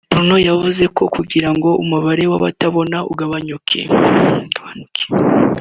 Bourne yavuze ko kugira ngo umubare w’abatabona ugabanuke